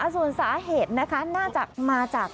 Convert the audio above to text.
ส่วนสาเหตุนะคะน่าจะมาจาก